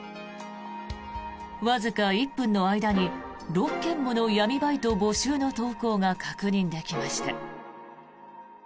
わずか１分の間に６件もの闇バイト募集の投稿が確認できました。